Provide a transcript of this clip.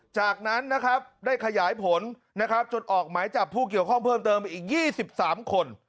จากนั้นนะครับได้ขยายผลนะครับจนออกหมายจับผู้เกี่ยวข้องเพิ่มเติมไปอีก๒๓คน